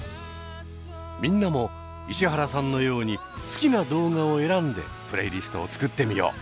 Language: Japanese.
みんなも石原さんのように好きな動画を選んでプレイリストを作ってみよう。